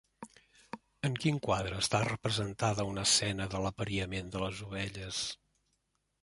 En quin quadre està representada una escena de l'apariament de les ovelles?